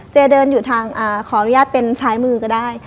เดินอยู่ทางขออนุญาตเป็นซ้ายมือก็ได้